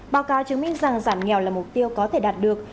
báo cáo chứng minh rằng giảm nghèo là mục tiêu có thể đạt được